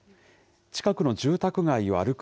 近くの住宅街を歩く